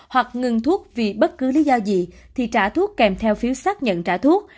hoặc ngừng thuốc vì bất cứ lý do gì thì trả thuốc kèm theo phiếu xác nhận trả thuốc